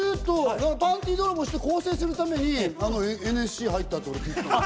パンティー泥棒して、更生するためにＮＳＣに入ったって聞いた。